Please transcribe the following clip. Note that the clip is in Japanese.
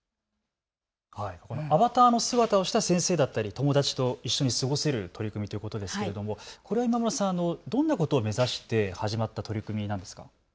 アバターの姿をした先生だったり友達と一緒に過ごせる取り組みということですけどもこれは今村さん、どんなことを目指して始まった取り組みなんですか。